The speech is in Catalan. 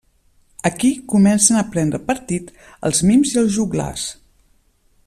Aquí comencen a prendre partit els mims i els joglars.